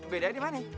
beda di mana